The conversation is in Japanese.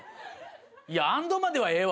いや「＆」まではええわ。